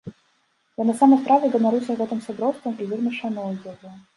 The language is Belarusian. Я на самай справе ганаруся гэтым сяброўствам і вельмі шаную яго.